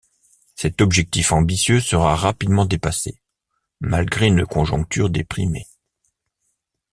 Cet objectif ambitieux sera rapidement dépassé, malgré une conjoncture déprimée.